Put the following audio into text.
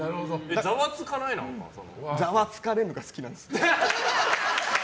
ざわつかれるのが好きなんです。